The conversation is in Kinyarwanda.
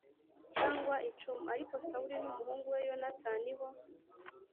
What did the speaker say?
cyangwa icumu Ariko Sawuli n umuhungu we Yonatani bo